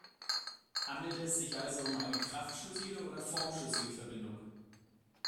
Handelt es sich also um eine kraftschlüssige oder formschlüssige Verbindung?